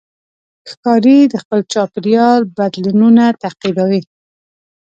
ښکاري د خپل چاپېریال بدلونونه تعقیبوي.